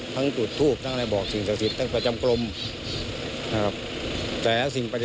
ทั้งจุดทูบทั้งหน้าบอบคิงชาสิท